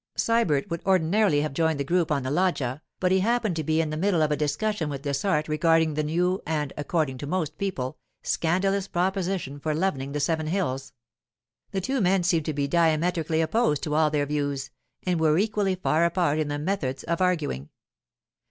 Sybert would ordinarily have joined the group on the loggia, but he happened to be in the middle of a discussion with Dessart regarding the new and, according to most people, scandalous proposition for levelling the Seven Hills. The two men seemed to be diametrically opposed to all their views, and were equally far apart in their methods of arguing.